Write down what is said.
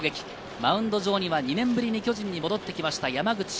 マウンド上には２年ぶりに巨人に戻ってきまして山口俊。